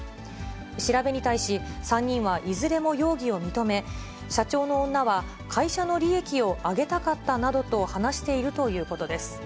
調べに対し、３人はいずれも容疑を認め、社長の女は、会社の利益を上げたかったなどと話しているということです。